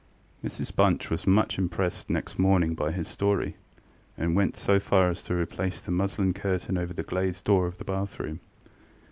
Mrs Bunch was much impressed next morning by his story, and went so far as to replace the muslin curtain over the glazed door of the bathroom.